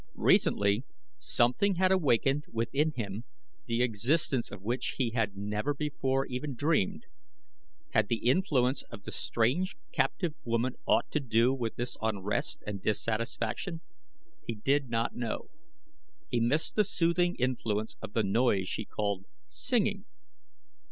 Recently something had awakened within him the existence of which he had never before even dreamed. Had the influence of the strange captive woman aught to do with this unrest and dissatisfaction? He did not know. He missed the soothing influence of the noise she called singing.